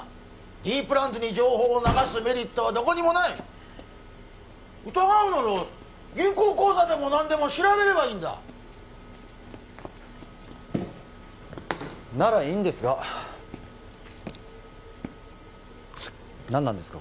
Ｄプランズに情報を流すメリットはどこにもない疑うなら銀行口座でも何でも調べればいいんだならいいんですが何なんですか？